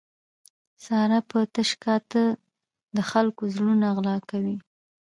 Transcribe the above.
ساره په تش کاته د خلکو زړونه غلا کوي.